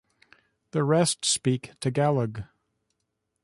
The rest speak Tagalog.